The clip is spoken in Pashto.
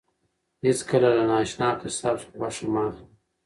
هیڅکله له نااشنا قصاب څخه غوښه مه اخله.